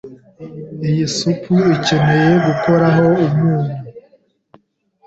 Iyi supu ikeneye gukoraho umunyu.